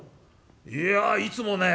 いやいつもね